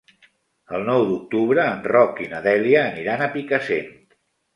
El nou d'octubre en Roc i na Dèlia aniran a Picassent.